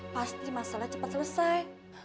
pasti masalah cepat selesai